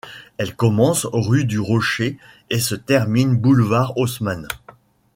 Elle commence rue du Rocher et se termine boulevard Haussmann.